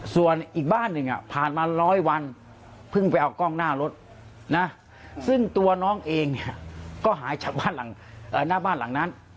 ส่วนอีกบ้านหนึ่งผ่านมาร้อยวันเพิ่งไปเอากล้องหน้ารถนะซึ่งตัวน้องเองเนี่ยก็หายจากหน้าบ้านหลังนั้น